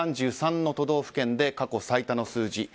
３３の都道府県で過去最多の数字。